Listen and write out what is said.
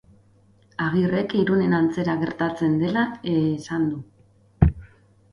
Agirrek Irunen antzera gertatzen dela esan du.